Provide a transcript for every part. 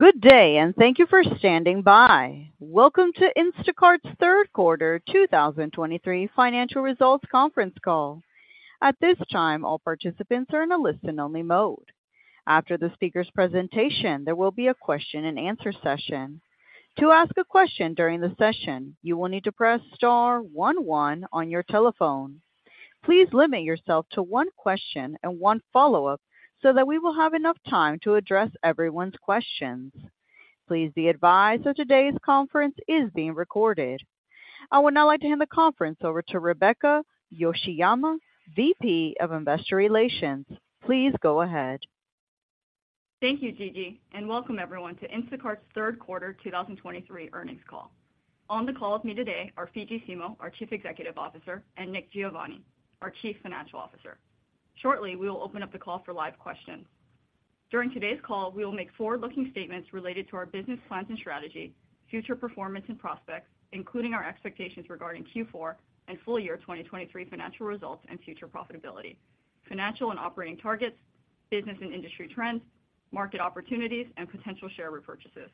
Good day, and thank you for standing by. Welcome to Instacart's Third Quarter 2023 Financial Results Conference Call. At this time, all participants are in a listen-only mode. After the speaker's presentation, there will be a question and answer session. To ask a question during the session, you will need to press star one, one on your telephone. Please limit yourself to one question and one follow-up so that we will have enough time to address everyone's questions. Please be advised that today's conference is being recorded. I would now like to hand the conference over to Rebecca Yoshiyama, VP of Investor Relations. Please go ahead. Thank you, Gigi, and welcome everyone to Instacart's Third Quarter 2023 Earnings Call. On the call with me today are Fidji Simo, our Chief Executive Officer; and Nick Giovanni, our Chief Financial Officer. Shortly, we will open up the call for live questions. During today's call, we will make forward-looking statements related to our business plans and strategy, future performance and prospects, including our expectations regarding Q4 and full year 2023 financial results and future profitability, financial and operating targets, business and industry trends, market opportunities, and potential share repurchases.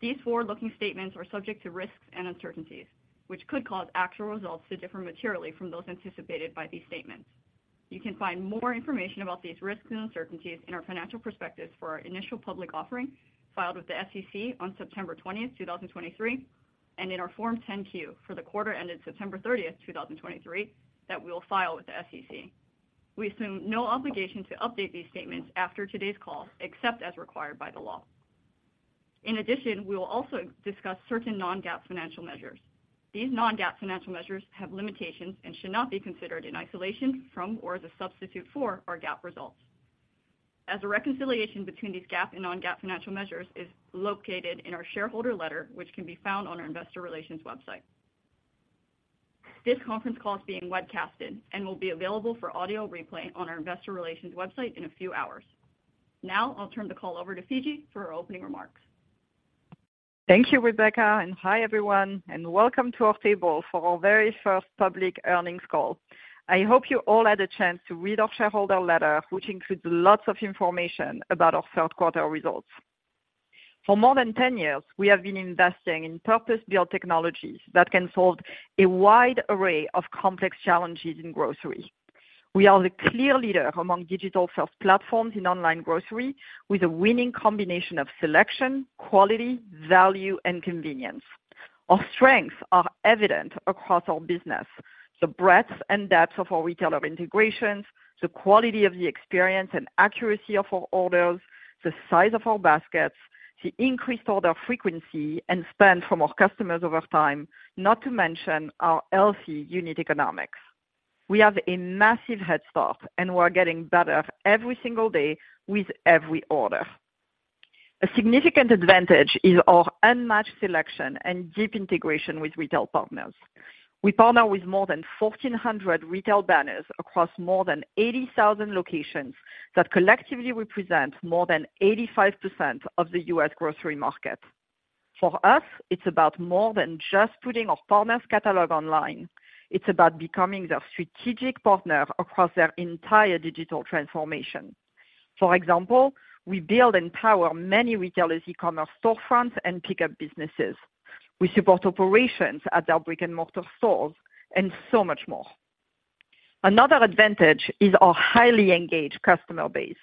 These forward-looking statements are subject to risks and uncertainties, which could cause actual results to differ materially from those anticipated by these statements. You can find more information about these risks and uncertainties in our financial perspectives for our initial public offering, filed with the SEC on September 20, 2023, and in our Form 10-Q for the quarter ended September 30, 2023, that we will file with the SEC. We assume no obligation to update these statements after today's call, except as required by the law. In addition, we will also discuss certain non-GAAP financial measures. These non-GAAP financial measures have limitations and should not be considered in isolation from or as a substitute for our GAAP results. As a reconciliation between these GAAP and non-GAAP financial measures is located in our shareholder letter, which can be found on our investor relations website. This conference call is being webcasted and will be available for audio replay on our investor relations website in a few hours. Now, I'll turn the call over to Fidji for her opening remarks. Thank you, Rebecca, and hi everyone, and welcome to our table for our very first public earnings call. I hope you all had a chance to read our shareholder letter, which includes lots of information about our third quarter results. For more than 10 years, we have been investing in purpose-built technologies that can solve a wide array of complex challenges in grocery. We are the clear leader among digital shelf platforms in online grocery, with a winning combination of selection, quality, value, and convenience. Our strengths are evident across our business. The breadth and depth of our retailer integrations, the quality of the experience and accuracy of our orders, the size of our baskets, the increased order frequency and spend from our customers over time, not to mention our healthy unit economics. We have a massive head start, and we are getting better every single day with every order. A significant advantage is our unmatched selection and deep integration with retail partners. We partner with more than 1,400 retail banners across more than 80,000 locations that collectively represent more than 85% of the U.S. grocery market. For us, it's about more than just putting our partner's catalog online. It's about becoming their strategic partner across their entire digital transformation. For example, we build and power many retailers, e-commerce storefronts, and pickup businesses. We support operations at their brick-and-mortar stores and so much more. Another advantage is our highly engaged customer base.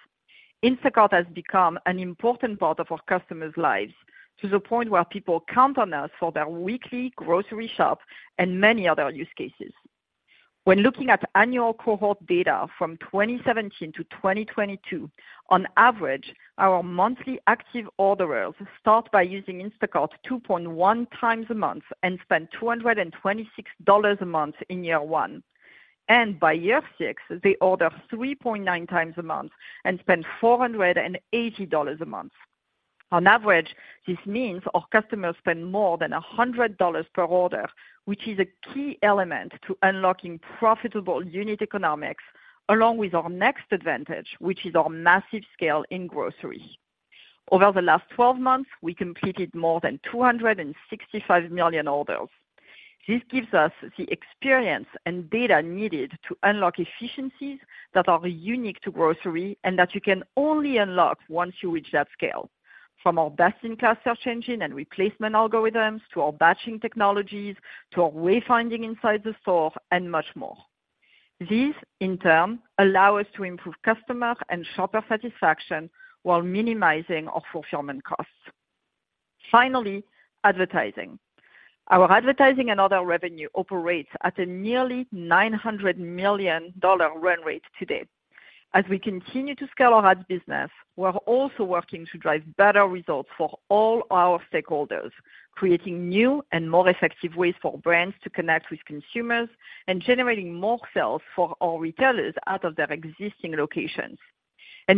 Instacart has become an important part of our customers' lives, to the point where people count on us for their weekly grocery shop and many other use cases. When looking at annual cohort data from 2017 to 2022, on average, our monthly active orderers start by using Instacart 2.1x a month and spend $226 a month in year one. And by year six, they order 3.9x a month and spend $480 a month. On average, this means our customers spend more than $100 per order, which is a key element to unlocking profitable unit economics, along with our next advantage, which is our massive scale in grocery. Over the last 12 months, we completed more than 265 million orders. This gives us the experience and data needed to unlock efficiencies that are unique to grocery and that you can only unlock once you reach that scale. From our best-in-class search engine and replacement algorithms, to our batching technologies, to our wayfinding inside the store and much more. These, in turn, allow us to improve customer and shopper satisfaction while minimizing our fulfillment costs. Finally, advertising. Our advertising and other revenue operates at a nearly $900 million run rate today. As we continue to scale our ads business, we are also working to drive better results for all our stakeholders, creating new and more effective ways for brands to connect with consumers and generating more sales for our retailers out of their existing locations.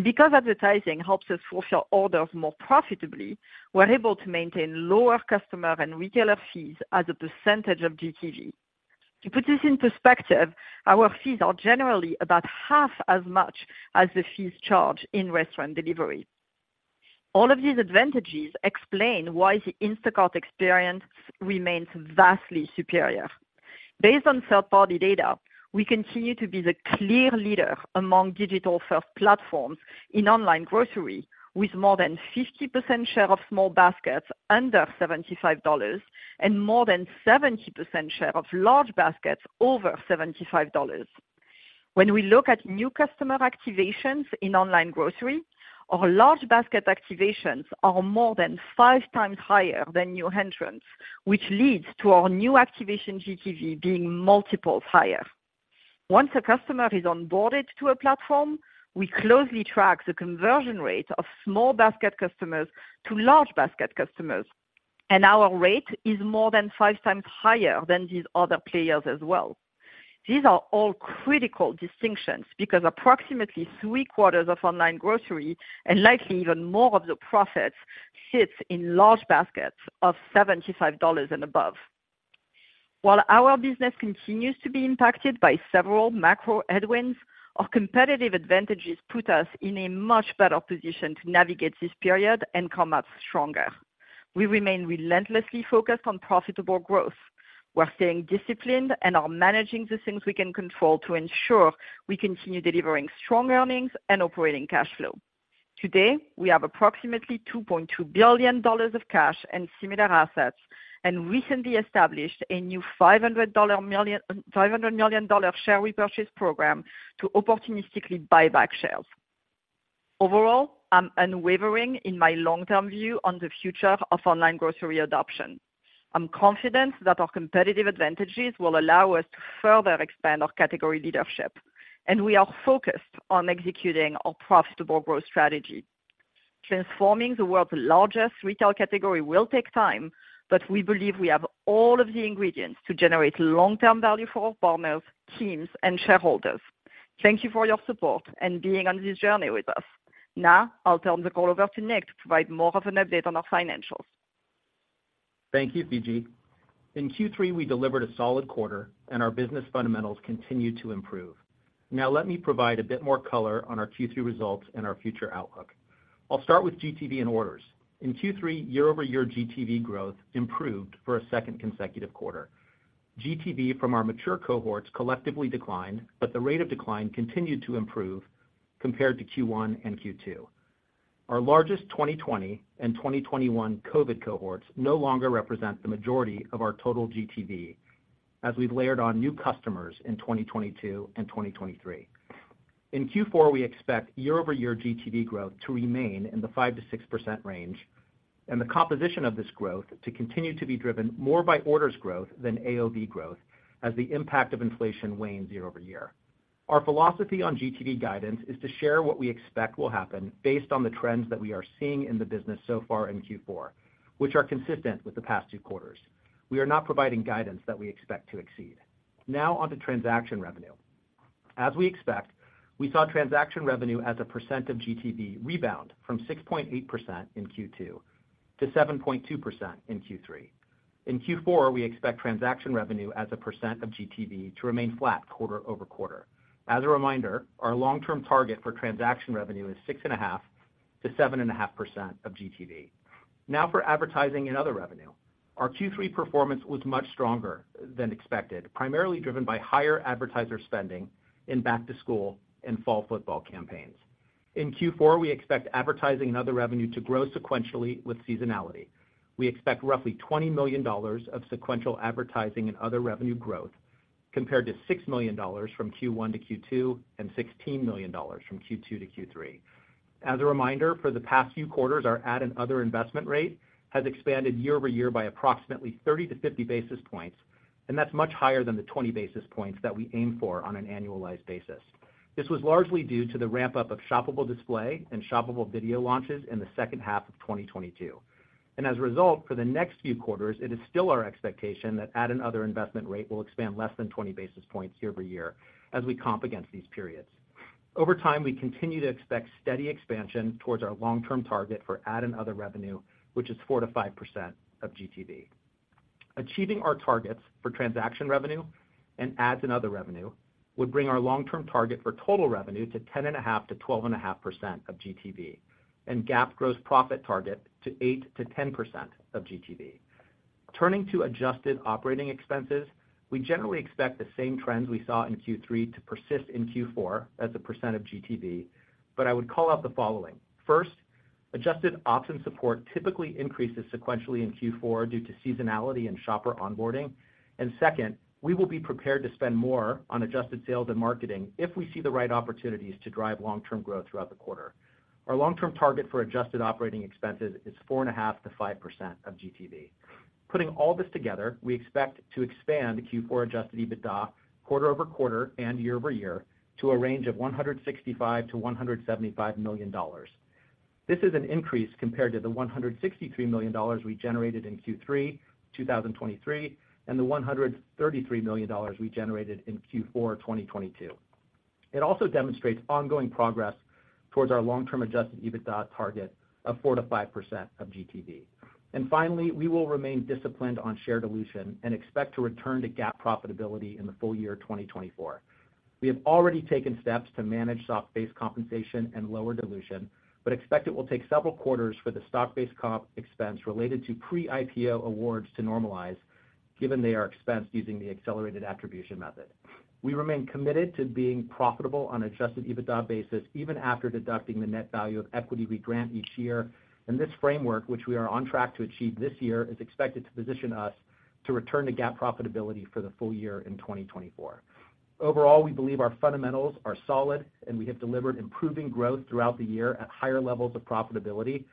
Because advertising helps us fulfill orders more profitably, we're able to maintain lower customer and retailer fees as a percentage of GTV. To put this in perspective, our fees are generally about half as much as the fees charged in restaurant delivery. All of these advantages explain why the Instacart experience remains vastly superior. Based on third-party data, we continue to be the clear leader among digital-first platforms in online grocery, with more than 50% share of small baskets under $75 and more than 70% share of large baskets over $75. When we look at new customer activations in online grocery, our large basket activations are more than 5x higher than new entrants, which leads to our new activation GTV being multiples higher. Once a customer is onboarded to a platform, we closely track the conversion rate of small basket customers to large basket customers, and our rate is more than 5x higher than these other players as well. These are all critical distinctions because approximately three quarters of online grocery, and likely even more of the profits, sits in large baskets of $75 and above. While our business continues to be impacted by several macro headwinds, our competitive advantages put us in a much better position to navigate this period and come out stronger. We remain relentlessly focused on profitable growth. We're staying disciplined and are managing the things we can control to ensure we continue delivering strong earnings and operating cash flow. Today, we have approximately $2.2 billion of cash and similar assets, and recently established a new $500 million share repurchase program to opportunistically buy back shares. Overall, I'm unwavering in my long-term view on the future of online grocery adoption. I'm confident that our competitive advantages will allow us to further expand our category leadership, and we are focused on executing our profitable growth strategy. Transforming the world's largest retail category will take time, but we believe we have all of the ingredients to generate long-term value for our partners, teams, and shareholders. Thank you for your support and being on this journey with us. Now, I'll turn the call over to Nick to provide more of an update on our financials. Thank you, Fidji. In Q3, we delivered a solid quarter and our business fundamentals continue to improve. Now, let me provide a bit more color on our Q3 results and our future outlook. I'll start with GTV and orders. In Q3, year-over-year GTV growth improved for a second consecutive quarter. GTV from our mature cohorts collectively declined, but the rate of decline continued to improve compared to Q1 and Q2. Our largest 2020 and 2021 COVID cohorts no longer represent the majority of our total GTV, as we've layered on new customers in 2022 and 2023. In Q4, we expect year-over-year GTV growth to remain in the 5%-6% range, and the composition of this growth to continue to be driven more by orders growth than AOV growth, as the impact of inflation wanes year over year. Our philosophy on GTV guidance is to share what we expect will happen based on the trends that we are seeing in the business so far in Q4, which are consistent with the past two quarters. We are not providing guidance that we expect to exceed. Now on to transaction revenue. As we expect, we saw transaction revenue as a percent of GTV rebound from 6.8% in Q2 to 7.2% in Q3. In Q4, we expect transaction revenue as a percent of GTV to remain flat quarter-over-quarter. As a reminder, our long-term target for transaction revenue is 6.5%-7.5% of GTV. Now, for advertising and other revenue. Our Q3 performance was much stronger than expected, primarily driven by higher advertiser spending in back to school and fall football campaigns. In Q4, we expect advertising and other revenue to grow sequentially with seasonality. We expect roughly $20 million of sequential advertising and other revenue growth, compared to $6 million from Q1 to Q2, and $16 million from Q2 to Q3. As a reminder, for the past few quarters, our ad and other investment rate has expanded year-over-year by approximately 30-50 basis points, and that's much higher than the 20 basis points that we aim for on an annualized basis. This was largely due to the ramp-up of Shoppable Display and Shoppable Video launches in the second half of 2022. And as a result, for the next few quarters, it is still our expectation that ad and other investment rate will expand less than 20 basis points year-over-year as we comp against these periods. Over time, we continue to expect steady expansion towards our long-term target for ad and other revenue, which is 4%-5% of GTV. Achieving our targets for transaction revenue and ads and other revenue would bring our long-term target for total revenue to 10.5%-12.5% of GTV, and GAAP gross profit target to 8%-10% of GTV. Turning to adjusted operating expenses, we generally expect the same trends we saw in Q3 to persist in Q4 as a percent of GTV, but I would call out the following: First, adjusted ops and support typically increases sequentially in Q4 due to seasonality and shopper onboarding. And second, we will be prepared to spend more on adjusted sales and marketing if we see the right opportunities to drive long-term growth throughout the quarter. Our long-term target for adjusted operating expenses is 4.5%-5% of GTV. Putting all this together, we expect to expand Q4 adjusted EBITDA quarter-over-quarter and year-over-year to a range of $165 million-$175 million. This is an increase compared to the $163 million we generated in Q3 2023, and the $133 million we generated in Q4 2022. It also demonstrates ongoing progress towards our long-term adjusted EBITDA target of 4%-5% of GTV. And finally, we will remain disciplined on share dilution and expect to return to GAAP profitability in the full year 2024. We have already taken steps to manage stock-based compensation and lower dilution, but expect it will take several quarters for the stock-based comp expense related to pre-IPO awards to normalize, given they are expensed using the accelerated attribution method. We remain committed to being profitable on adjusted EBITDA basis, even after deducting the net value of equity we grant each year, and this framework, which we are on track to achieve this year, is expected to position us to return to GAAP profitability for the full year in 2024. Overall, we believe our fundamentals are solid, and we have delivered improving growth throughout the year at higher levels of profitability.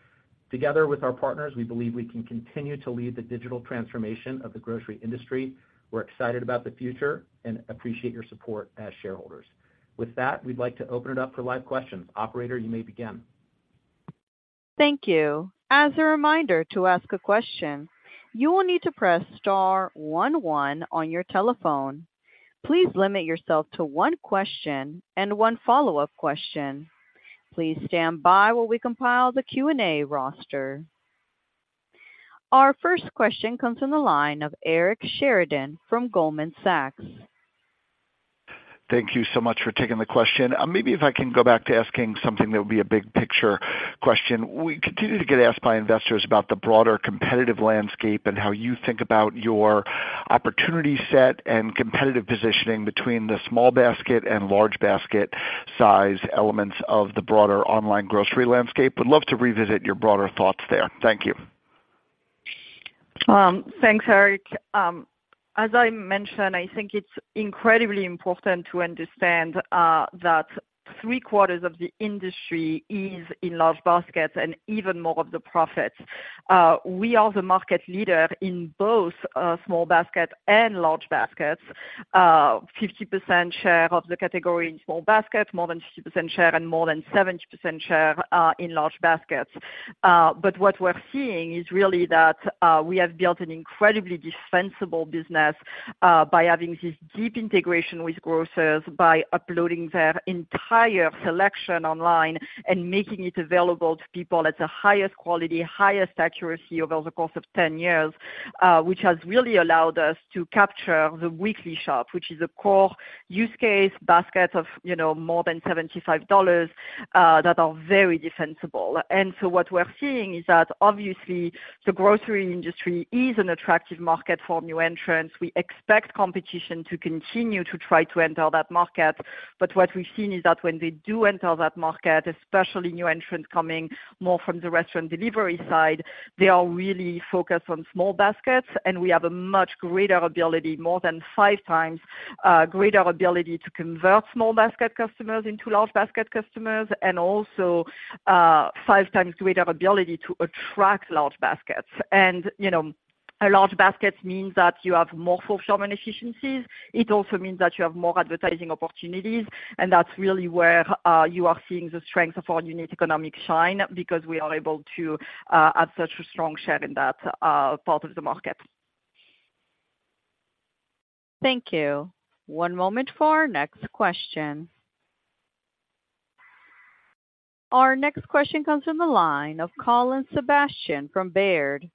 Together with our partners, we believe we can continue to lead the digital transformation of the grocery industry. We're excited about the future and appreciate your support as shareholders. With that, we'd like to open it up for live questions. Operator, you may begin. Thank you. As a reminder, to ask a question, you will need to press star one one on your telephone. Please limit yourself to one question and one follow-up question. Please stand by while we compile the Q&A roster. Our first question comes from the line of Eric Sheridan from Goldman Sachs. Thank you so much for taking the question. Maybe if I can go back to asking something that would be a big picture question. We continue to get asked by investors about the broader competitive landscape and how you think about your opportunity set and competitive positioning between the small basket and large basket size elements of the broader online grocery landscape. Would love to revisit your broader thoughts there. Thank you. Thanks, Eric. As I mentioned, I think it's incredibly important to understand that three quarters of the industry is in large baskets and even more of the profits. We are the market leader in both small basket and large baskets. 50% share of the category in small basket, more than 60% share and more than 70% share in large baskets. But what we're seeing is really that we have built an incredibly defensible business by having this deep integration with grocers, by uploading their entire selection online and making it available to people at the highest quality, highest accuracy over the course of 10 years, which has really allowed us to capture the weekly shop, which is a core use case basket of, you know, more than $75 that are very defensible. What we're seeing is that, obviously, the grocery industry is an attractive market for new entrants. We expect competition to continue to try to enter that market. But what we've seen is that when they do enter that market, especially new entrants coming more from the restaurant delivery side, they are really focused on small baskets, and we have a much greater ability, more than 5x greater ability to convert small basket customers into large basket customers, and also, 5x greater ability to attract large baskets. And, you know, large baskets means that you have more fulfillment efficiencies. It also means that you have more advertising opportunities, and that's really where you are seeing the strength of our unit economics shine, because we are able to add such a strong share in that part of the market. Thank you. One moment for our next question. Our next question comes from the line of Colin Sebastian from Baird.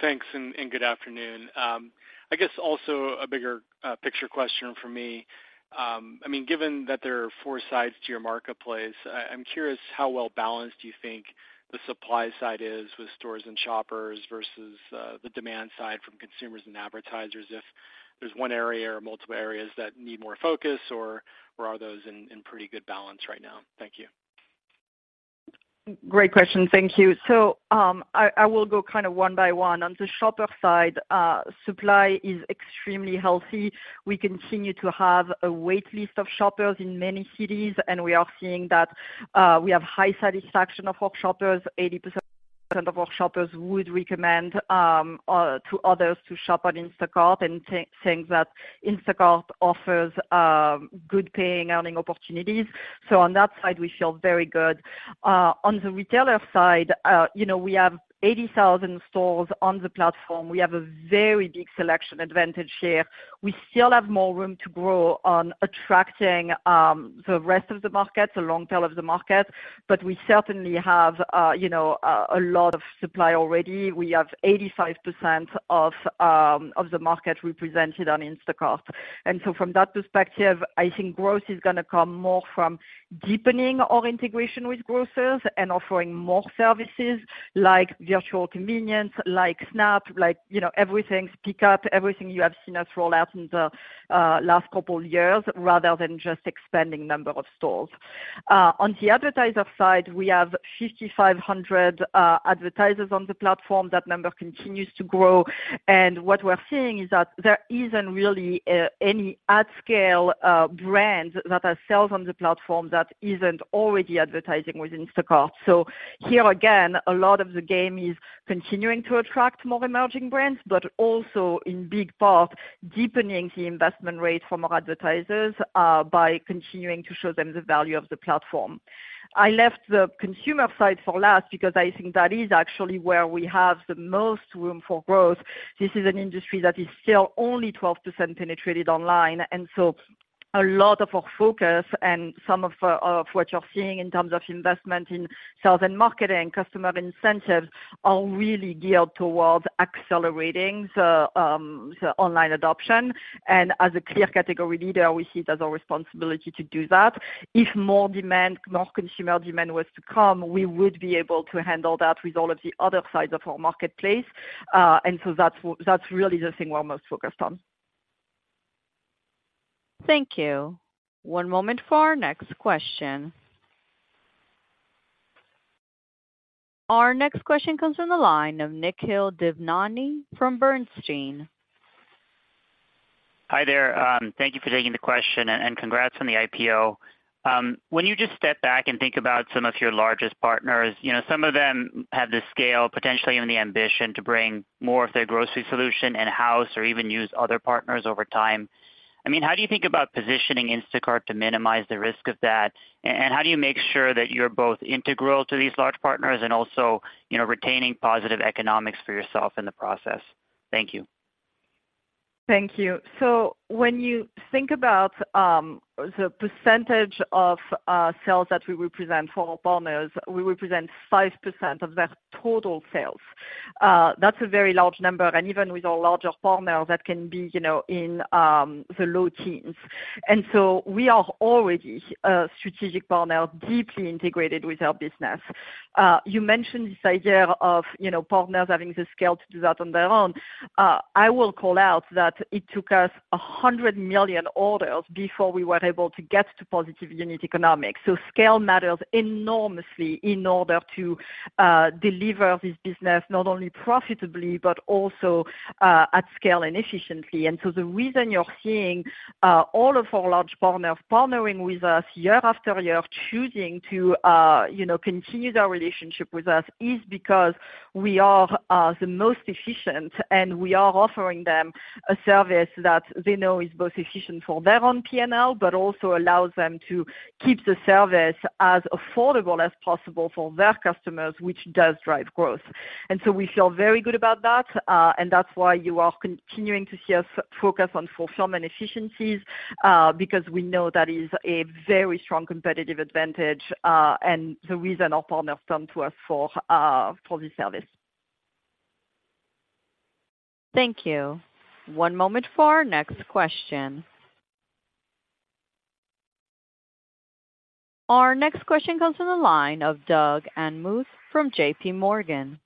Thanks, and good afternoon. I guess also a bigger picture question from me. I mean, given that there are four sides to your marketplace, I'm curious, how well balanced do you think the supply side is with stores and shoppers versus the demand side from consumers and advertisers? If there's one area or multiple areas that need more focus, or are those in pretty good balance right now? Thank you. Great question. Thank you. So, I will go kind of one by one. On the shopper side, supply is extremely healthy. We continue to have a wait list of shoppers in many cities, and we are seeing that we have high satisfaction of our shoppers. 80% of our shoppers would recommend to others to shop on Instacart and saying that Instacart offers good paying, earning opportunities. So on that side, we feel very good. On the retailer side, you know, we have 80,000 stores on the platform. We have a very big selection advantage here. We still have more room to grow on attracting the rest of the market, the long tail of the market, but we certainly have you know a lot of supply already. We have 85% of the market represented on Instacart. So from that perspective, I think growth is gonna come more from deepening our integration with grocers and offering more services like virtual convenience, like SNAP, like, you know, everything, pick up, everything you have seen us roll out in the last couple years, rather than just expanding number of stores. On the advertiser side, we have 5,500 advertisers on the platform. That number continues to grow, and what we're seeing is that there isn't really any ad scale brands that are sales on the platform that isn't already advertising with Instacart. So here, again, a lot of the game is continuing to attract more emerging brands, but also, in big part, deepening the investment rate from our advertisers by continuing to show them the value of the platform. I left the consumer side for last because I think that is actually where we have the most room for growth. This is an industry that is still only 12% penetrated online, and so a lot of our focus and some of what you're seeing in terms of investment in sales and marketing, customer incentives are really geared towards accelerating the online adoption. And as a clear category leader, we see it as our responsibility to do that. If more demand, more consumer demand was to come, we would be able to handle that with all of the other sides of our marketplace. And so that's really the thing we're most focused on. Thank you. One moment for our next question. Our next question comes from the line of Nikhil Devnani from Bernstein. Hi there. Thank you for taking the question, and congrats on the IPO. When you just step back and think about some of your largest partners, you know, some of them have the scale, potentially even the ambition, to bring more of their grocery solution in-house or even use other partners over time. I mean, how do you think about positioning Instacart to minimize the risk of that? And how do you make sure that you're both integral to these large partners and also, you know, retaining positive economics for yourself in the process? Thank you. Thank you. So when you think about the percentage of sales that we represent for our partners, we represent 5% of their total sales. That's a very large number, and even with our larger partners, that can be, you know, in the low teens. And so we are already a strategic partner, deeply integrated with our business. You mentioned this idea of, you know, partners having the scale to do that on their own. I will call out that it took us 100 million orders before we were able to get to positive unit economics. So scale matters enormously in order to deliver this business, not only profitably, but also at scale and efficiently. And so the reason you're seeing, all of our large partners partnering with us year after year, choosing to, you know, continue their relationship with us, is because we are, the most efficient, and we are offering them a service that they know is both efficient for their own P&L, but also allows them to keep the service as affordable as possible for their customers, which does drive growth. And so we feel very good about that, and that's why you are continuing to see us focus on fulfillment efficiencies, because we know that is a very strong competitive advantage, and the reason our partners come to us for, for this service. Thank you. One moment for our next question. Our next question comes from the line of Doug Anmuth from JPMorgan.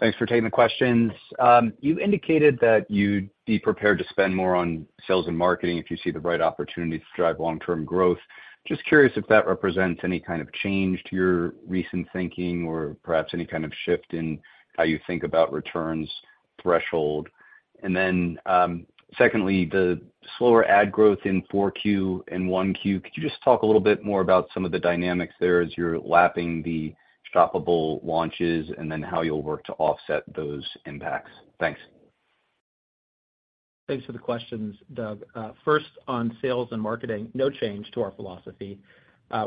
Thanks for taking the questions. You've indicated that you'd be prepared to spend more on sales and marketing if you see the right opportunity to drive long-term growth. Just curious if that represents any kind of change to your recent thinking or perhaps any kind of shift in how you think about returns threshold? And then, secondly, the slower ad growth in 4Q and 1Q, could you just talk a little bit more about some of the dynamics there as you're lapping the shoppable launches, and then how you'll work to offset those impacts? Thanks. Thanks for the questions, Doug. First, on sales and marketing, no change to our philosophy.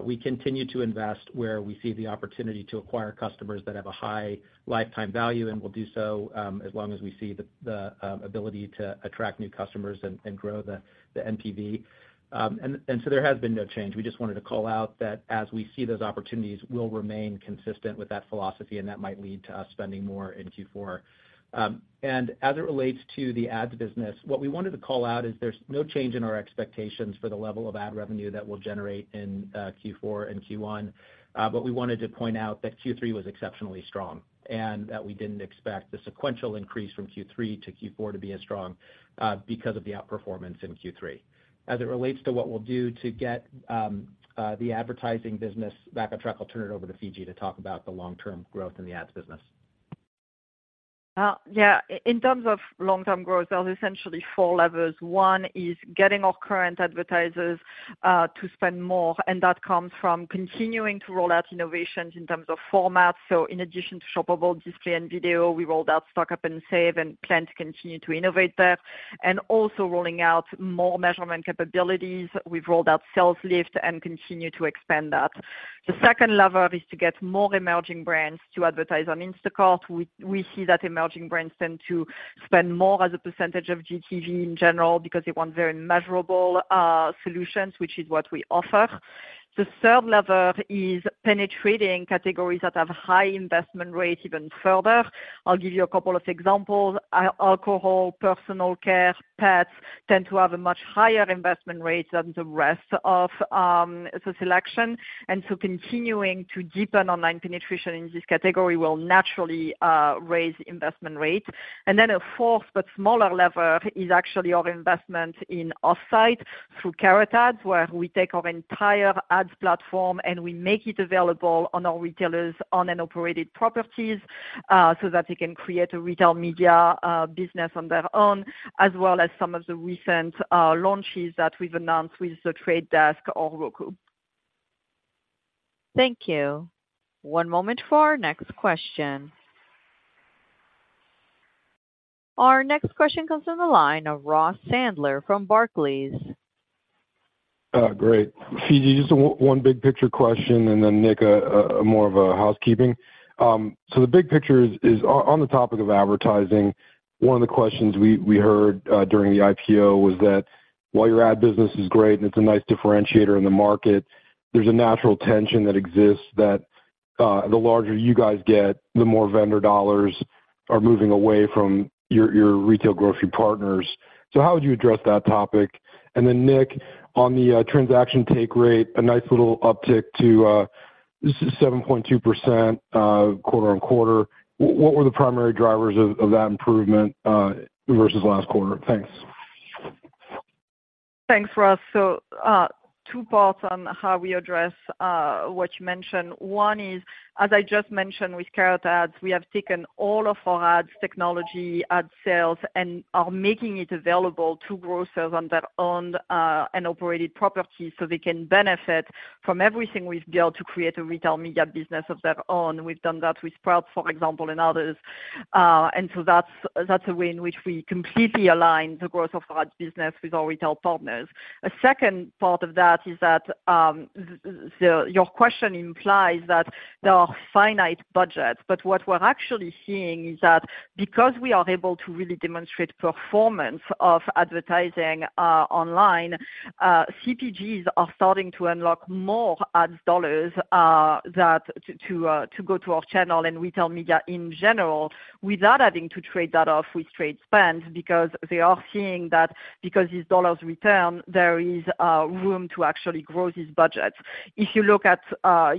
We continue to invest where we see the opportunity to acquire customers that have a high lifetime value, and we'll do so, as long as we see the ability to attract new customers and grow the NPV. And so there has been no change. We just wanted to call out that as we see those opportunities, we'll remain consistent with that philosophy, and that might lead to us spending more in Q4. And as it relates to the ads business, what we wanted to call out is there's no change in our expectations for the level of ad revenue that we'll generate in Q4 and Q1. We wanted to point out that Q3 was exceptionally strong, and that we didn't expect the sequential increase from Q3 to Q4 to be as strong, because of the outperformance in Q3. As it relates to what we'll do to get the advertising business back on track, I'll turn it over to Fidji to talk about the long-term growth in the ads business. Yeah. In terms of long-term growth, there are essentially four levers. One is getting our current advertisers to spend more, and that comes from continuing to roll out innovations in terms of format. So in addition to Shoppable Display and Video, we rolled out Stock Up and Save and Plan to continue to innovate there, and also rolling out more measurement capabilities. We've rolled out Sales Lift and continue to expand that. The second lever is to get more emerging brands to advertise on Instacart. We, we see that emerging brands tend to spend more as a percentage of GTV in general because they want very measurable solutions, which is what we offer. The third lever is penetrating categories that have high investment rates even further. I'll give you a couple of examples. Alcohol, personal care, pets, tend to have a much higher investment rate than the rest of the selection, and so continuing to deepen online penetration in this category will naturally raise investment rates. And then a fourth, but smaller lever, is actually our investment in offsite through Carrot Ads, where we take our entire ads platform, and we make it available on our retailers' owned and operated properties, so that they can create a retail media business on their own, as well as some of the recent launches that we've announced with The Trade Desk or Roku. Thank you. One moment for our next question. Our next question comes from the line of Ross Sandler from Barclays. Great. Fidji, just one big picture question, and then Nick, more of a housekeeping. So the big picture is on the topic of advertising, one of the questions we heard during the IPO was that while your ad business is great, and it's a nice differentiator in the market, there's a natural tension that exists, that the larger you guys get, the more vendor dollars are moving away from your retail grocery partners. So how would you address that topic? And then Nick, on the transaction take rate, a nice little uptick to this is 7.2%, quarter-over-quarter. What were the primary drivers of that improvement versus last quarter? Thanks. Thanks, Ross. So, two parts on how we address what you mentioned. One is, as I just mentioned with Carrot Ads, we have taken all of our ads, technology, ad sales, and are making it available to grocers on their own and operated properties, so they can benefit from everything we've built to create a retail media business of their own. We've done that with Sprouts, for example, and others. And so that's, that's a way in which we completely align the growth of our ads business with our retail partners. A second part of that is that, your question implies that there are finite budgets. But what we're actually seeing is that because we are able to really demonstrate performance of advertising, online, CPGs are starting to unlock more ads dollars, that to go to our channel and retail media in general, without adding to trade that off with trade spend, because they are seeing that because these dollars return, there is room to actually grow these budgets. If you look at,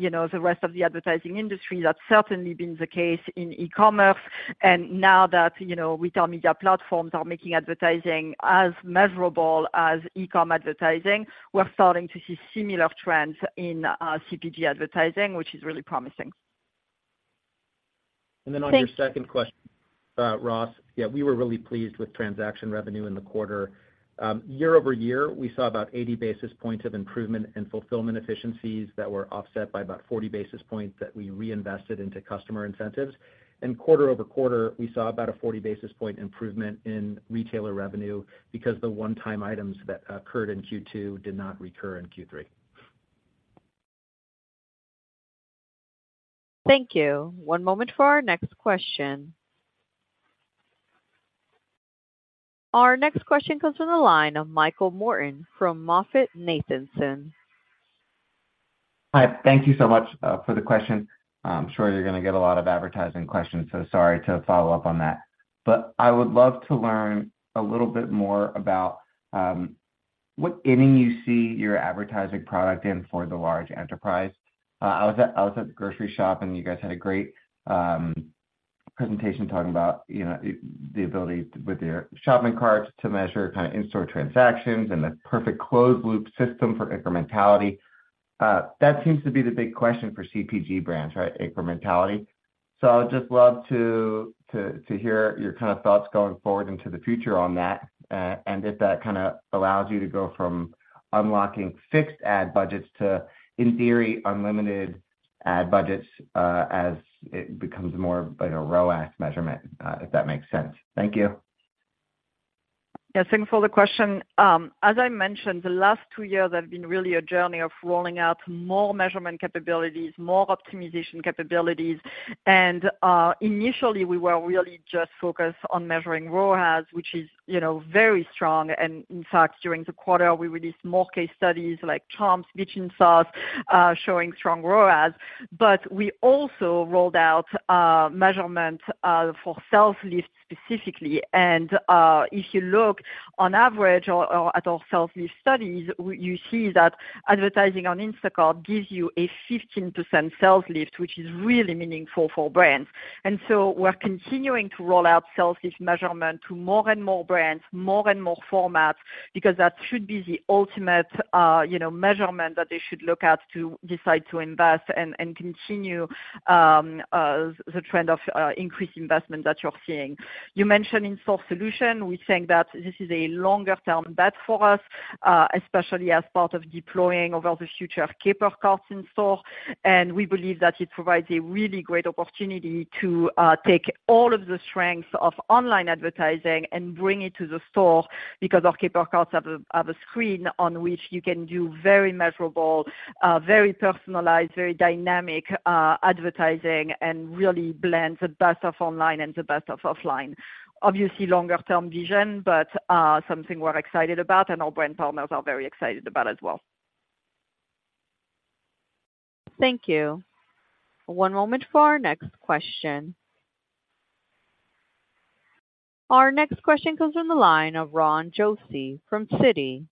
you know, the rest of the advertising industry, that's certainly been the case in e-commerce. And now that, you know, retail media platforms are making advertising as measurable as e-com advertising, we're starting to see similar trends in CPG advertising, which is really promising. And then on your second question, Ross, yeah, we were really pleased with transaction revenue in the quarter. Year-over-year, we saw about 80 basis points of improvement in fulfillment efficiencies that were offset by about 40 basis points that we reinvested into customer incentives. And quarter-over-quarter, we saw about a 40 basis point improvement in retailer revenue, because the one-time items that occurred in Q2 did not recur in Q3. Thank you. One moment for our next question. Our next question comes from the line of Michael Morton from MoffettNathanson. Hi, thank you so much for the question. I'm sure you're gonna get a lot of advertising questions, so sorry to follow up on that. But I would love to learn a little bit more about what inning you see your advertising product in for the large enterprise? I was at the grocery shop, and you guys had a great presentation talking about, you know, the ability with your shopping carts to measure kind of in-store transactions and the perfect closed loop system for incrementality. That seems to be the big question for CPG brands, right? Incrementality. I would just love to hear your kind of thoughts going forward into the future on that, and if that kinda allows you to go from unlocking fixed ad budgets to, in theory, unlimited ad budgets, as it becomes more of like a ROAS measurement, if that makes sense. Thank you. Yes, thanks for the question. As I mentioned, the last two years have been really a journey of rolling out more measurement capabilities, more optimization capabilities. And initially, we were really just focused on measuring ROAS, which is, you know, very strong. And in fact, during the quarter, we released more case studies like Trump's Kitchen Sauce, showing strong ROAS. But we also rolled out measurement for sales lift specifically. And if you look on average or at our sales lift studies, you see that advertising on Instacart gives you a 15% sales lift, which is really meaningful for brands. And so we're continuing to roll out sales lift measurement to more and more brands, more and more formats, because that should be the ultimate, you know, measurement that they should look at to decide to invest and continue the trend of increased investment that you're seeing. You mentioned in-store solution. We think that this is a longer term bet for us, especially as part of deploying of all the future Caper Carts in store. And we believe that it provides a really great opportunity to take all of the strengths of online advertising and bring it to the store, because our Caper Carts have a screen on which you can do very measurable, very personalized, very dynamic advertising, and really blend the best of online and the best of offline. Obviously, longer term vision, but something we're excited about, and our brand partners are very excited about as well. Thank you. One moment for our next question. Our next question comes from the line of Ron Josey from Citi.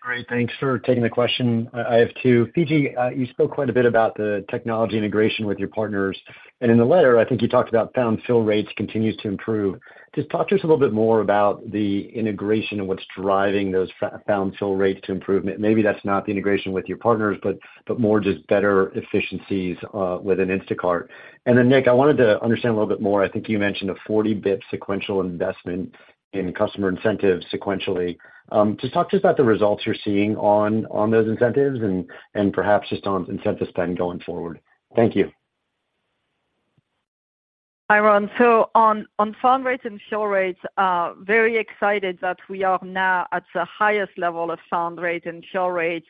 Great. Thanks for taking the question. I have two. Fidji, you spoke quite a bit about the technology integration with your partners, and in the letter, I think you talked about found fill rates continues to improve. Just talk to us a little bit more about the integration and what's driving those found fill rates to improvement. Maybe that's not the integration with your partners, but more just better efficiencies within Instacart. And then, Nick, I wanted to understand a little bit more. I think you mentioned a 40 bps sequential investment in customer incentives sequentially. Just talk to us about the results you're seeing on those incentives and perhaps just on incentive spend going forward. Thank you. Hi, Ron. So on found rates and fill rates, very excited that we are now at the highest level of Found Rate and Fill Rate,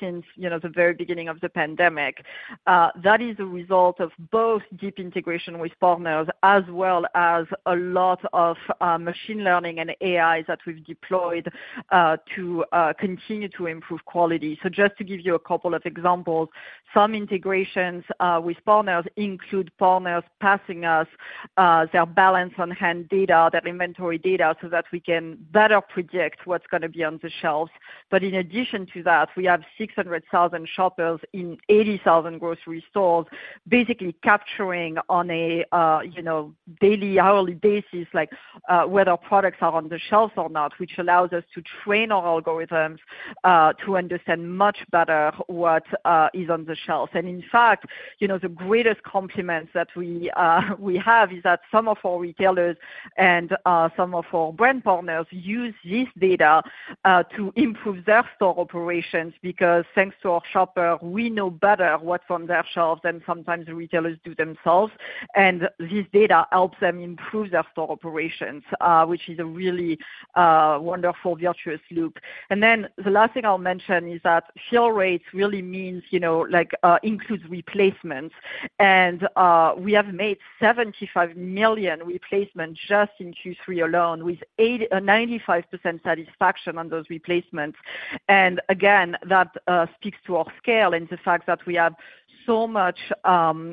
since, you know, the very beginning of the pandemic. That is a result of both deep integration with partners, as well as a lot of machine learning and AIs that we've deployed to continue to improve quality. So just to give you a couple of examples, some integrations with partners include partners passing us their balance on hand data, their inventory data, so that we can better predict what's gonna be on the shelves. But in addition to that, we have 600,000 shoppers in 80,000 grocery stores, basically capturing on a, you know, daily hourly basis, like, whether our products are on the shelves or not, which allows us to train our algorithms to understand much better what is on the shelves. And in fact, you know, the greatest compliments that we have is that some of our retailers and some of our brand partners use this data to improve their store operations, because thanks to our shopper, we know better what's on their shelves than sometimes the retailers do themselves. And this data helps them improve their store operations, which is a really wonderful virtuous loop. And then the last thing I'll mention is that fill rates really means you know like includes replacements. We have made 75 million replacements just in Q3 alone, with 95% satisfaction on those replacements. And again, that speaks to our scale and the fact that we have so much,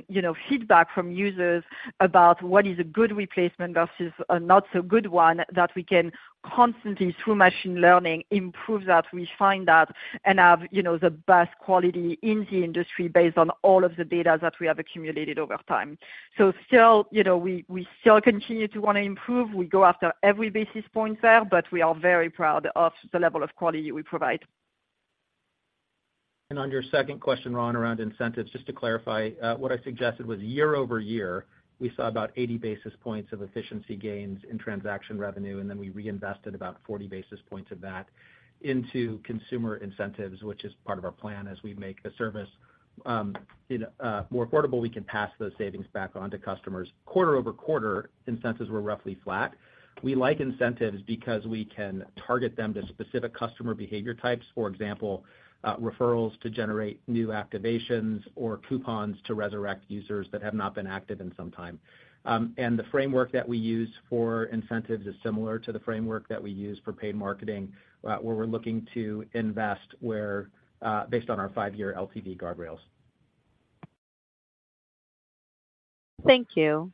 you know, feedback from users about what is a good replacement versus a not so good one, that we can constantly, through machine learning, improve that, refine that, and have, you know, the best quality in the industry based on all of the data that we have accumulated over time. So still, you know, we still continue to wanna improve. We go after every basis point there, but we are very proud of the level of quality we provide. On your second question, Ron, around incentives, just to clarify, what I suggested was year-over-year, we saw about 80 basis points of efficiency gains in transaction revenue, and then we reinvested about 40 basis points of that into consumer incentives, which is part of our plan as we make the service, you know, more affordable, we can pass those savings back on to customers. Quarter-over-quarter, incentives were roughly flat. We like incentives because we can target them to specific customer behavior types, for example, referrals to generate new activations or coupons to resurrect users that have not been active in some time. The framework that we use for incentives is similar to the framework that we use for paid marketing, where we're looking to invest, where, based on our five-year LTV guardrails. Thank you.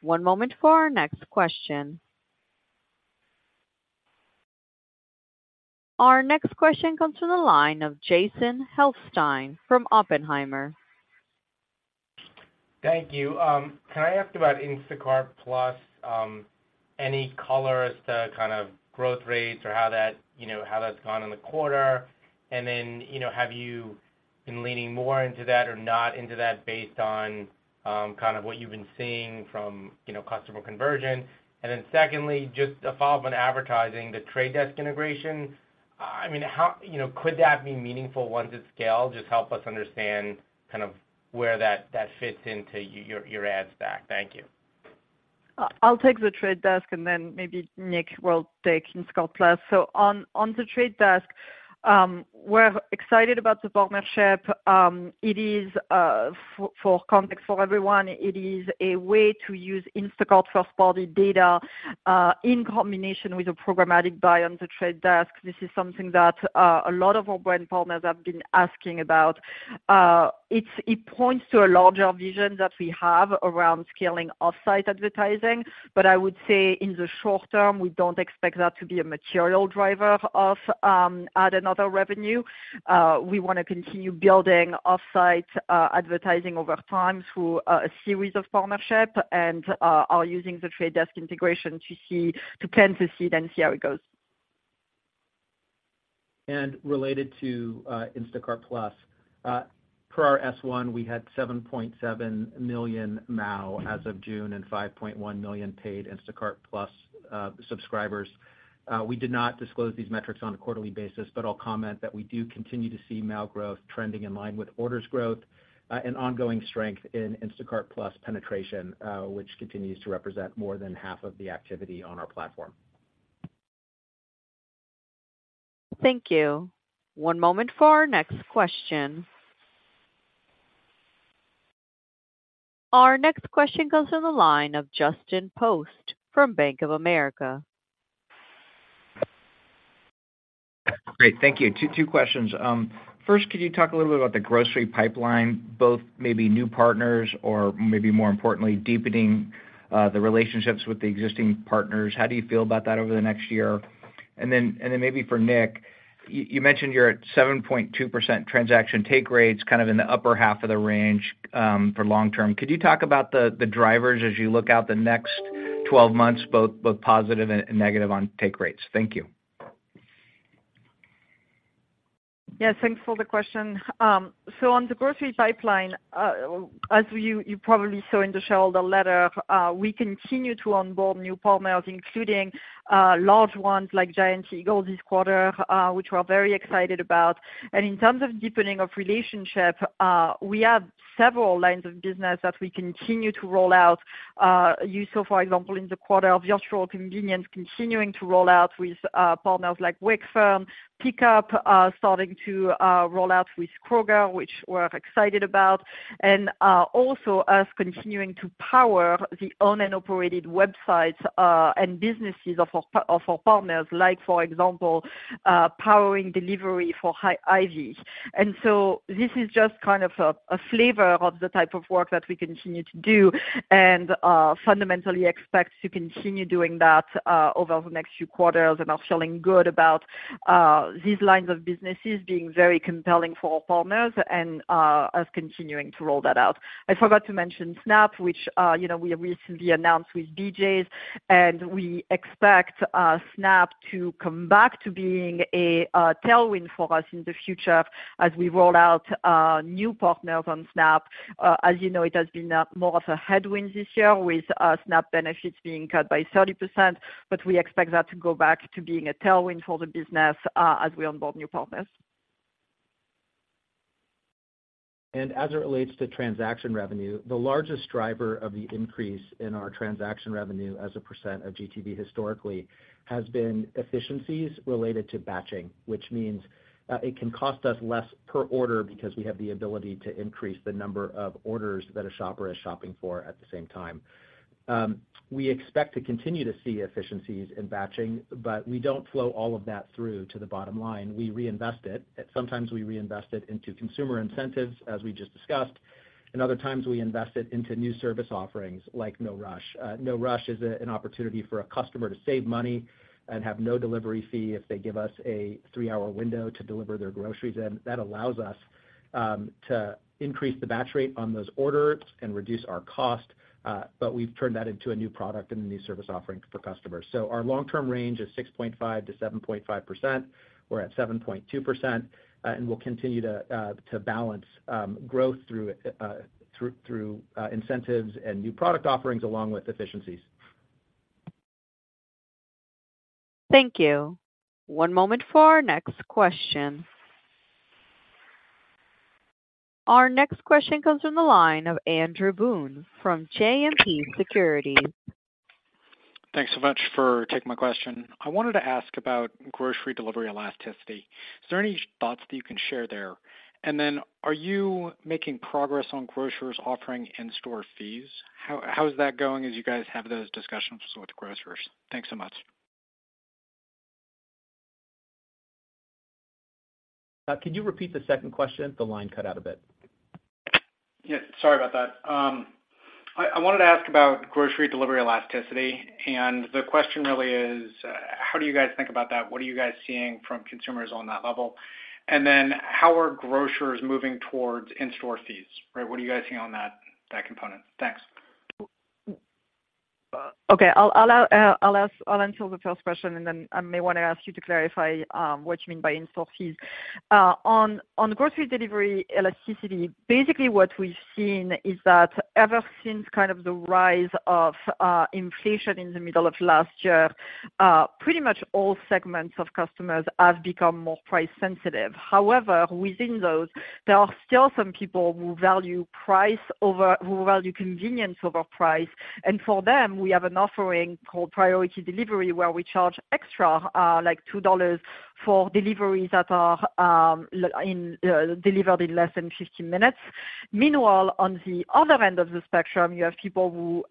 One moment for our next question. Our next question comes from the line of Jason Helfstein from Oppenheimer. Thank you. Can I ask about Instacart+, any color as to kind of growth rates or how that, you know, how that's gone in the quarter? And then, you know, have you been leaning more into that or not into that based on, kind of what you've been seeing from, you know, customer conversion? And then secondly, just a follow-up on advertising, the The Trade Desk integration. I mean, how- you know, could that be meaningful once it's scaled? Just help us understand kind of where that, that fits into your, your ads stack. Thank you. I'll take The Trade Desk, and then maybe Nick will take Instacart+. So on The Trade Desk, we're excited about the partnership. For context for everyone, it is a way to use Instacart first-party data in combination with a programmatic buy on The Trade Desk. This is something that a lot of our brand partners have been asking about. It points to a larger vision that we have around scaling offsite advertising. But I would say in the short term, we don't expect that to be a material driver of ad revenue. We wanna continue building offsite advertising over time through a series of partnerships and are using The Trade Desk integration to see how it goes. Related to Instacart+, per our S1, we had 7.7 million MAU as of June, and 5.1 million paid Instacart+ subscribers. We did not disclose these metrics on a quarterly basis, but I'll comment that we do continue to see MAU growth trending in line with orders growth, and ongoing strength in Instacart+ penetration, which continues to represent more than half of the activity on our platform. Thank you. One moment for our next question. Our next question goes to the line of Justin Post from Bank of America. Great. Thank you. Two, Two questions. First, could you talk a little bit about the grocery pipeline, both maybe new partners or maybe more importantly, deepening the relationships with the existing partners? How do you feel about that over the next year? And then, and then maybe for Nick, you mentioned you're at 7.2% transaction take rates, kind of in the upper half of the range, for long term. Could you talk about the drivers as you look out the next 12 months, both positive and negative on take rates? Thank you. Yes, thanks for the question. So on the grocery pipeline, as you probably saw in the shareholder letter, we continue to onboard new partners, including large ones like Giant Eagle this quarter, which we're very excited about. And in terms of deepening of relationship, we have several lines of business that we continue to roll out. You saw, for example, in the quarter of just convenience, continuing to roll out with partners like Wegmans, Pickup, starting to roll out with Kroger, which we're excited about. And also us continuing to power the owned and operated websites and businesses of our partners, like, for example, powering delivery for Hy-Vee. And so this is just kind of a flavor of the type of work that we continue to do, and fundamentally expect to continue doing that over the next few quarters, and are feeling good about these lines of businesses being very compelling for our partners and us continuing to roll that out. I forgot to mention SNAP, which, you know, we have recently announced with BJ's, and we expect SNAP to come back to being a tailwind for us in the future as we roll out new partners on SNAP. As you know, it has been more of a headwind this year with SNAP benefits being cut by 30%, but we expect that to go back to being a tailwind for the business as we onboard new partners. As it relates to transaction revenue, the largest driver of the increase in our transaction revenue as a percent of GTV historically has been efficiencies related to batching. Which means, it can cost us less per order because we have the ability to increase the number of orders that a shopper is shopping for at the same time. We expect to continue to see efficiencies in batching, but we don't flow all of that through to the bottom line. We reinvest it. Sometimes we reinvest it into consumer incentives, as we just discussed, and other times we invest it into new service offerings, like No-Rush. No-Rush is an opportunity for a customer to save money and have no delivery fee if they give us a three-hour window to deliver their groceries in. That allows us to increase the batch rate on those orders and reduce our cost, but we've turned that into a new product and a new service offering for customers. So our long-term range is 6.5%-7.5%. We're at 7.2%, and we'll continue to balance growth through incentives and new product offerings along with efficiencies. Thank you. One moment for our next question. Our next question comes from the line of Andrew Boone, from JMP Securities. Thanks so much for taking my question. I wanted to ask about grocery delivery elasticity. Is there any thoughts that you can share there? And then are you making progress on grocers offering in-store fees? How is that going as you guys have those discussions with grocers? Thanks so much. Could you repeat the second question? The line cut out a bit. Yeah, sorry about that. I wanted to ask about grocery delivery elasticity, and the question really is, how do you guys think about that? What are you guys seeing from consumers on that level? And then how are grocers moving towards in-store fees, right? What are you guys seeing on that, that component? Thanks. Okay. I'll answer the first question, and then I may wanna ask you to clarify what you mean by in-store fees. On grocery delivery elasticity, basically what we've seen is that ever since kind of the rise of inflation in the middle of last year, pretty much all segments of customers have become more price sensitive. However, within those, there are still some people who value convenience over price, and for them, we have an offering called Priority Delivery, where we charge extra, like $2 for deliveries that are delivered in less than 15 minutes. Meanwhile, on the other end of the spectrum, you have people who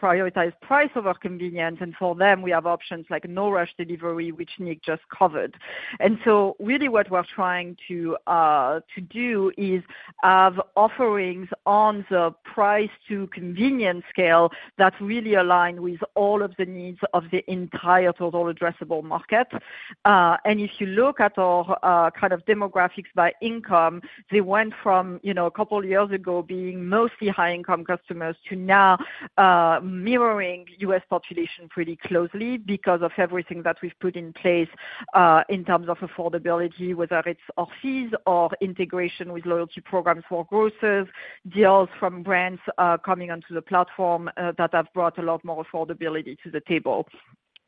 prioritize price over convenience, and for them, we have options like No-Rush delivery, which Nick just covered. And so really what we're trying to do is have offerings on the price to convenience scale that really align with all of the needs of the entire total addressable market. And if you look at our kind of demographics by income, they went from, you know, a couple years ago, being mostly high-income customers, to now mirroring U.S. population pretty closely because of everything that we've put in place in terms of affordability, whether it's our fees or integration with loyalty programs for grocers, deals from brands coming onto the platform that have brought a lot more affordability to the table.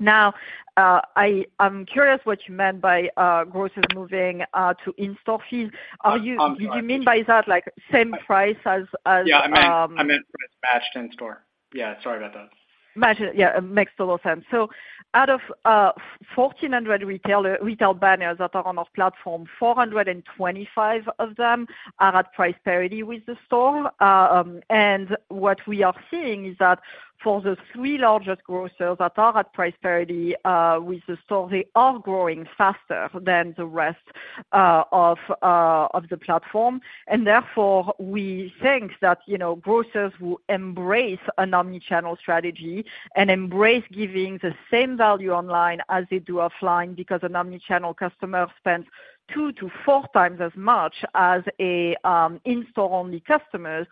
Now, I'm curious what you meant by grocers moving to in-store fees. Are you- Um, uh- -do you mean by that, like, same price as- Yeah, I meant, I meant matched in store. Yeah, sorry about that. Match, yeah, it makes a lot of sense. So out of 1,400 retail banners that are on our platform, 425 of them are at price parity with the store. And what we are seeing is that for the three largest grocers that are at price parity with the store, they are growing faster than the rest of the platform. And therefore, we think that, you know, grocers will embrace an omni-channel strategy and embrace giving the same value online as they do offline, because an omni-channel customer spends two to four times as much as a in-store only customers,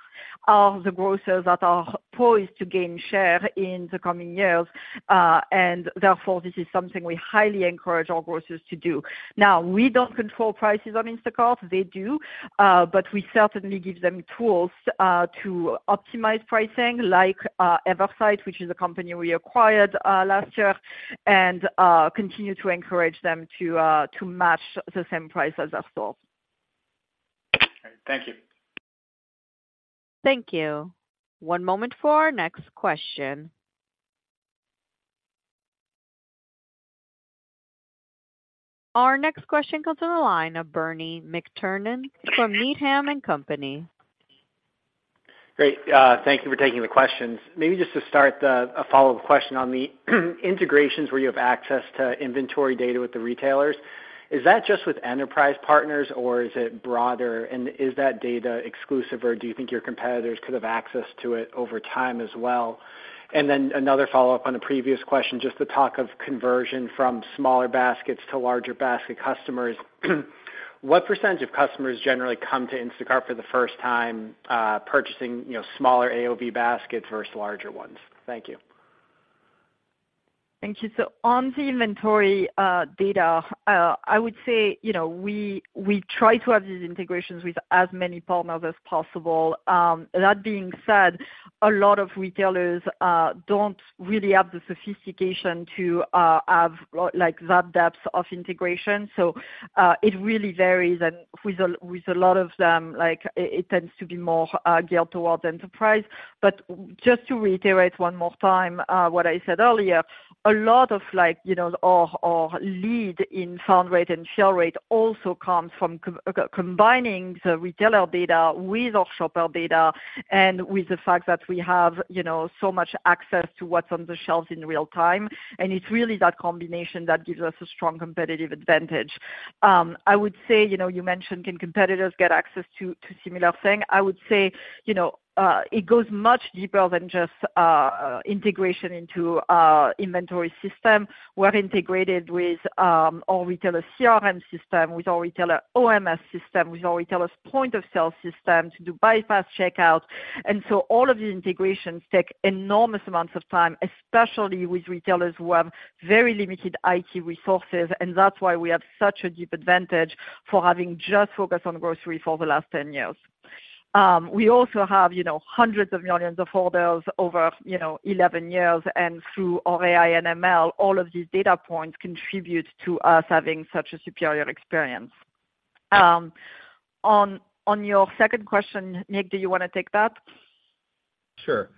are the grocers that are poised to gain share in the coming years. And therefore, this is something we highly encourage our grocers to do. Now, we don't control prices on Instacart, they do, but we certainly give them tools to optimize pricing like Eversight, which is a company we acquired last year, and continue to encourage them to match the same price as a store. Great. Thank you. Thank you. One moment for our next question. Our next question comes on the line of Bernie McTernan from Needham and Company. Great, thank you for taking the questions. Maybe just to start, a follow-up question on the integrations where you have access to inventory data with the retailers, is that just with enterprise partners, or is it broader? And is that data exclusive, or do you think your competitors could have access to it over time as well? And then another follow-up on a previous question, just the talk of conversion from smaller baskets to larger basket customers. What percentage of customers generally come to Instacart for the first time, purchasing, you know, smaller AOV baskets versus larger ones? Thank you. Thank you. So on the inventory data, I would say, you know, we try to have these integrations with as many partners as possible. That being said, a lot of retailers don't really have the sophistication to have like that depth of integration. So it really varies, and with a lot of them, like, it tends to be more geared towards enterprise. But just to reiterate one more time, what I said earlier, a lot of like, you know, our lead in found rate and fill rate also comes from combining the retailer data with our shopper data and with the fact that we have, you know, so much access to what's on the shelves in real time. It's really that combination that gives us a strong competitive advantage. I would say, you know, you mentioned, can competitors get access to similar thing? I would say, you know, it goes much deeper than just integration into our inventory system. We're integrated with our retailer CRM system, with our retailer OMS system, with our retailer's point-of-sale system, to do bypass checkout. And so all of these integrations take enormous amounts of time, especially with retailers who have very limited IT resources, and that's why we have such a deep advantage for having just focused on grocery for the last 10 years. We also have, you know, hundreds of millions of orders over, you know, 11 years, and through our AI and ML, all of these data points contribute to us having such a superior experience. On your second question, Nick, do you wanna take that? Sure.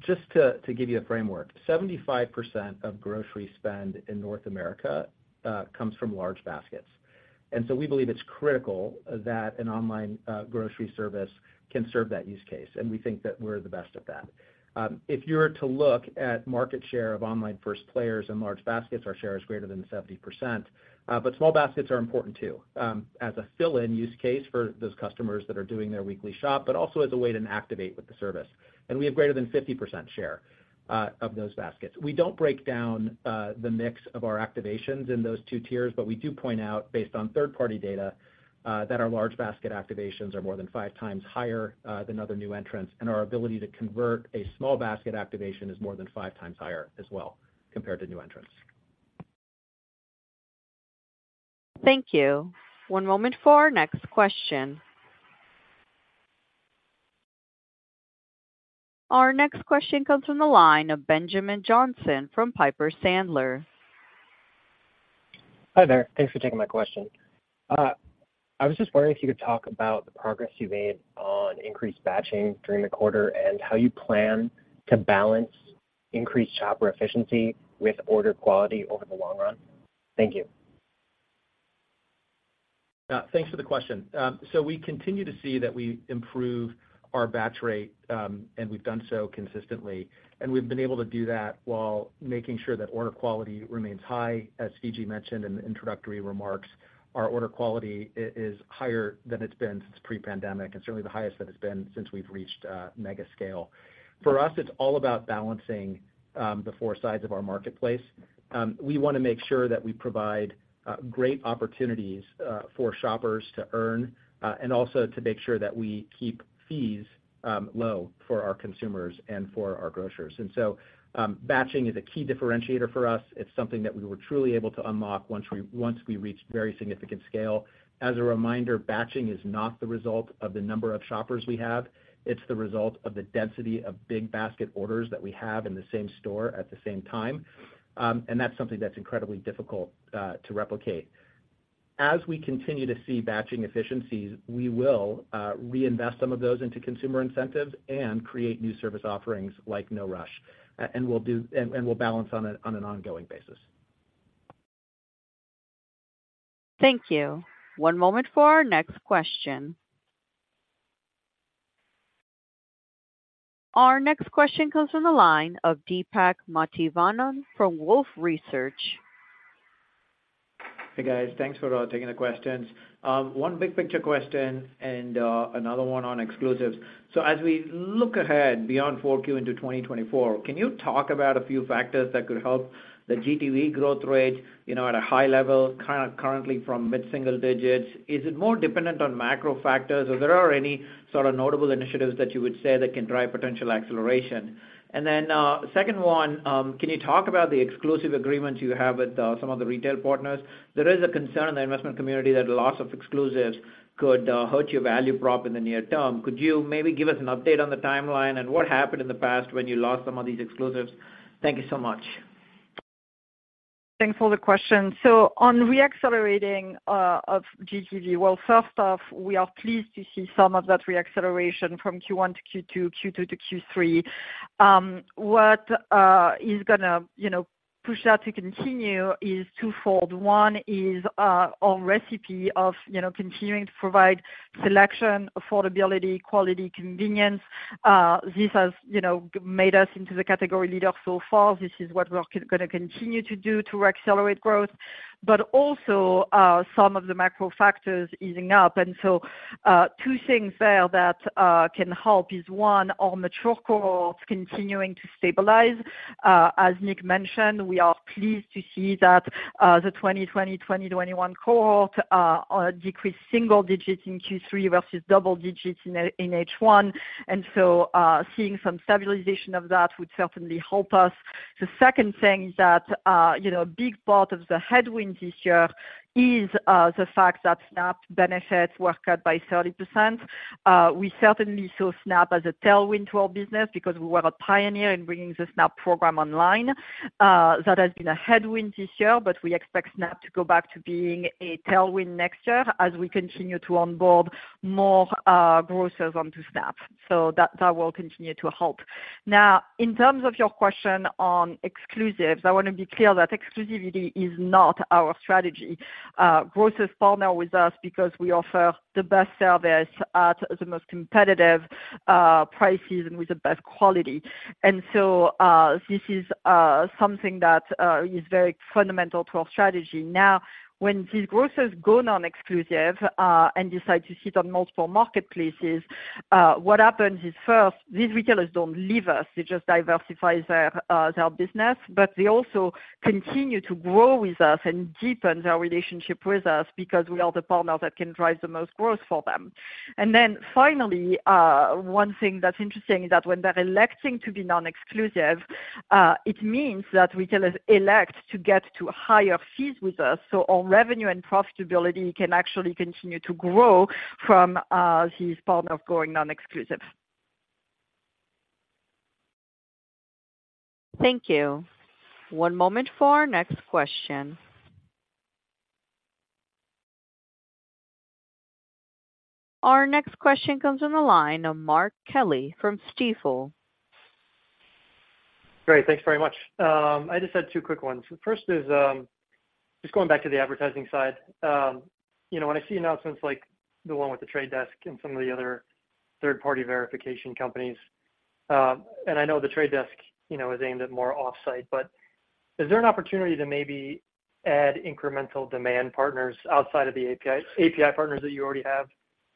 Just to give you a framework, 75% of grocery spend in North America comes from large baskets. And so we believe it's critical that an online grocery service can serve that use case, and we think that we're the best at that. If you were to look at market share of online-first players and large baskets, our share is greater than 70%. But small baskets are important too, as a fill-in use case for those customers that are doing their weekly shop, but also as a way to activate with the service. And we have greater than 50% share of those baskets. We don't break down the mix of our activations in those two tiers, but we do point out, based on third-party data, that our large basket activations are more than five times higher than other new entrants, and our ability to convert a small basket activation is more than 5x higher as well compared to new entrants. Thank you. One moment for our next question. Our next question comes from the line of Benjamin Johnson from Piper Sandler. Hi there. Thanks for taking my question. I was just wondering if you could talk about the progress you've made on increased batching during the quarter, and how you plan to balance increased shopper efficiency with order quality over the long run. Thank you. Thanks for the question. We continue to see that we improve our batch rate, and we've done so consistently. We've been able to do that while making sure that order quality remains high. As Fidji mentioned in the introductory remarks, our order quality is higher than it's been since pre-pandemic, and certainly the highest it has been since we've reached mega scale. For us, it's all about balancing the four sides of our marketplace. We wanna make sure that we provide great opportunities for shoppers to earn, and also to make sure that we keep fees low for our consumers and for our grocers. So, batching is a key differentiator for us. It's something that we were truly able to unlock once we reached very significant scale. As a reminder, batching is not the result of the number of shoppers we have. It's the result of the density of big basket orders that we have in the same store at the same time. That's something that's incredibly difficult to replicate. As we continue to see batching efficiencies, we will reinvest some of those into consumer incentives and create new service offerings like No-Rush, and we'll balance on an ongoing basis. Thank you. One moment for our next question. Our next question comes from the line of Deepak Mathivanan from Wolfe Research. Hey, guys. Thanks for taking the questions. One big picture question and another one on exclusives. So as we look ahead beyond Q4 into 2024, can you talk about a few factors that could help the GTV growth rate, you know, at a high level, currently from mid-single digits? Is it more dependent on macro factors, or there are any sort of notable initiatives that you would say that can drive potential acceleration? And then, second one, can you talk about the exclusive agreements you have with some of the retail partners? There is a concern in the investment community that the loss of exclusives could hurt your value prop in the near term. Could you maybe give us an update on the timeline and what happened in the past when you lost some of these exclusives? Thank you so much. Thanks for the question. So on re-accelerating of GTV, well, first off, we are pleased to see some of that re-acceleration from Q1 to Q2, Q2 to Q3. What is gonna, you know, push that to continue is twofold. One is, our recipe of, you know, continuing to provide selection, affordability, quality, convenience. This has, you know, made us into the category leader so far. This is what we're gonna continue to do to re-accelerate growth, but also, some of the macro factors easing up. And so, two things there that can help is, one, our mature cohorts continuing to stabilize. As Nick mentioned, we are pleased to see that, the 2020, 2021 cohort, decreased single digits in Q3 versus double digits in H1. And so, seeing some stabilization of that would certainly help us. The second thing is that, you know, a big part of the headwind this year is, the fact that SNAP benefits were cut by 30%. We certainly saw SNAP as a tailwind to our business because we were a pioneer in bringing the SNAP program online. That has been a headwind this year, but we expect SNAP to go back to being a tailwind next year as we continue to onboard more, grocers onto SNAP. So that, that will continue to help. Now, in terms of your question on exclusives, I wanna be clear that exclusivity is not our strategy. Grocers partner with us because we offer the best service at the most competitive, prices and with the best quality. This is something that is very fundamental to our strategy. Now, when these grocers go non-exclusive and decide to sit on multiple marketplaces, what happens is, first, these retailers don't leave us. They just diversify their business, but they also continue to grow with us and deepen their relationship with us because we are the partner that can drive the most growth for them. Finally, one thing that's interesting is that when they're electing to be non-exclusive, it means that retailers elect to get to higher fees with us, so our revenue and profitability can actually continue to grow from this partner going non-exclusive. Thank you. One moment for our next question. Our next question comes on the line of Mark Kelley from Stifel. Great. Thanks very much. I just had two quick ones. The first is, just going back to the advertising side. You know, when I see announcements like the one with The Trade Desk and some of the other third-party verification companies, and I know The Trade Desk, you know, is aimed at more offsite, but is there an opportunity to maybe add incremental demand partners outside of the API, API partners that you already have?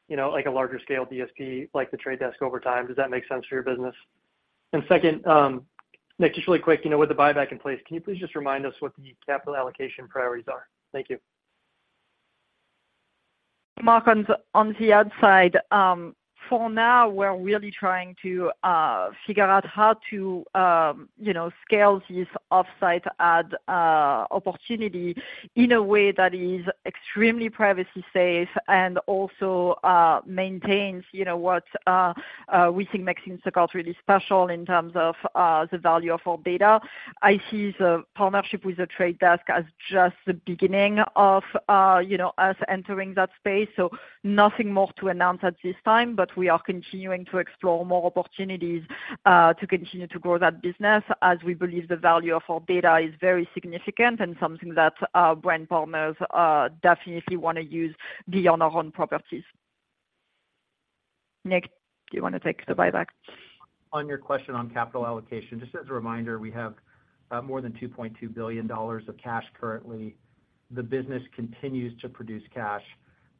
You know, like a larger scale DSP, like The Trade Desk over time. Does that make sense for your business? And second, Nick, just really quick, you know, with the buyback in place, can you please just remind us what the capital allocation priorities are? Thank you. Mark, on the ad side, for now, we're really trying to figure out how to, you know, scale this offsite ad opportunity in a way that is extremely privacy safe and also maintains, you know, what we think makes Instacart really special in terms of the value of our data. I see the partnership with The Trade Desk as just the beginning of, you know, us entering that space, so nothing more to announce at this time, but we are continuing to explore more opportunities to continue to grow that business, as we believe the value of our data is very significant and something that our brand partners definitely wanna use beyond our own properties. Nick, do you wanna take the buyback? On your question on capital allocation, just as a reminder, we have more than $2.2 billion of cash currently. The business continues to produce cash,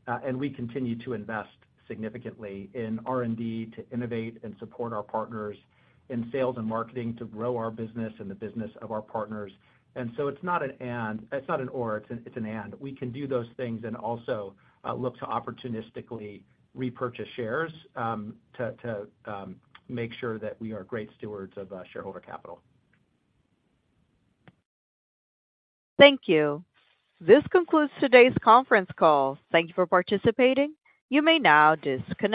and we continue to invest significantly in R&D to innovate and support our partners in sales and marketing, to grow our business and the business of our partners. So it's not an and. It's not an or, it's an and. We can do those things and also look to opportunistically repurchase shares to make sure that we are great stewards of shareholder capital. Thank you. This concludes today's conference call. Thank you for participating. You may now disconnect.